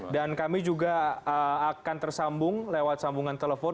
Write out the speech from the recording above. dan kami juga akan tersambung lewat sambungan telepon